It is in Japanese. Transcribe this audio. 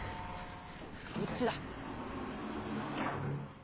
こっちだ。